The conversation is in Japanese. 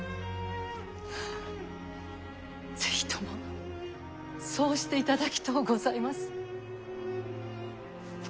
是非ともそうしていただきとうございます。